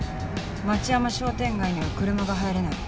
町山商店街には車が入れない。